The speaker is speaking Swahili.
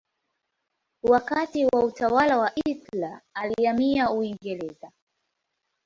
Wakati wa utawala wa Hitler alihamia Uingereza.